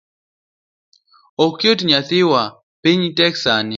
Ok oyot nyathiwa, piny tek sani.